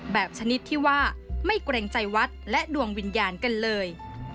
ชนิดที่ว่าไม่เกรงใจวัดและดวงวิญญาณกันเลย